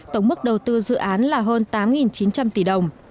tổng mức đầu tư dự án là hơn tám chín trăm linh tỷ đồng